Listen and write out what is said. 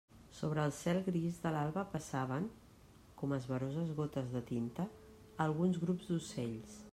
Sobre el cel gris de l'alba passaven, com esvaroses gotes de tinta, alguns grups d'ocells.